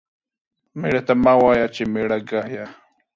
ميړه ته مه وايه چې ميړه گيه.